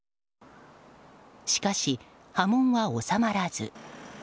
しかし、波紋は収まらず。